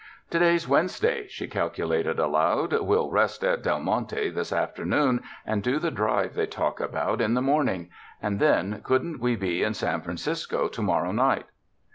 "To day's Wednesday," she calculated aloud. * 'We'll rest at Del Monte this afternoon, and do the drive they talk about in the morning; and then couldn't we be in San Francisco to morrow night?"